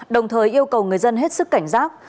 đồng thời yêu cầu người dân hết sức cảnh giác